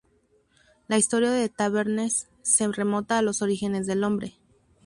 La historia de Tabernes se remonta a los orígenes del hombre.